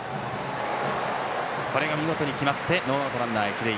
これが見事に決まってノーアウトランナー、一塁。